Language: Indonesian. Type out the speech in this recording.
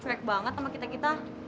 serect banget sama kita kita